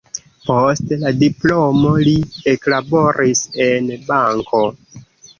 Post la diplomo li eklaboris en banko.